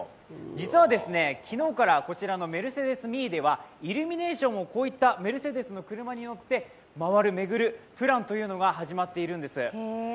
実は昨日からこちらのメルセデスミーではイルミネーションをこういったメルセデスの車に乗って回るプランが始まっているんです。